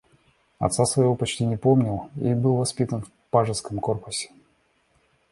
Отца своего он почти не помнил и был воспитан в Пажеском Корпусе.